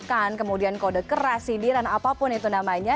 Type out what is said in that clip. makan kemudian kode keras sidiran apapun itu namanya